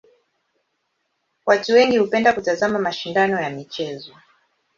Watu wengi hupenda kutazama mashindano ya michezo.